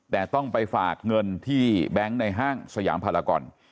แต่ต้องไปฝากเงินที่แบงค์ในห้างสยามพลากร